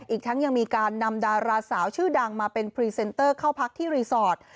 อีกทั้งยังมีการนำดาราสาวชื่อดังมาเป็นพรีเซนเตอร์เข้าพักที่รีสอร์ท